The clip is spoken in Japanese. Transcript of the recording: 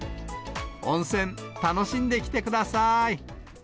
温泉、楽しんできてください。